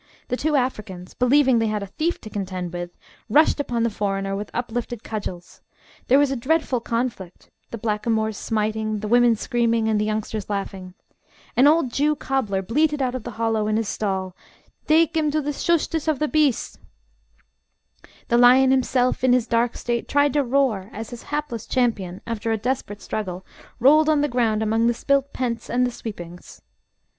The two Africans, believing they had a thief to contend with, rushed upon the foreigner with uplifted cudgels. There was a dreadful conflict: the blackamoors smiting, the women screaming, and the youngsters laughing. An old Jew cobbler bleated out of the hollow of his stall, "Dake him to the shustish of the beace!" The lion himself; in his dark state, tried to roar as his hapless champion, after a desperate struggle, rolled on the ground among the spilt pence and the sweepings.